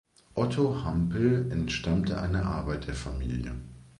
Otto Hampel entstammte einer Arbeiterfamilie.